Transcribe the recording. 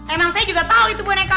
emang saya juga tahu itu boneka